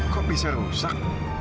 kok bisa rusak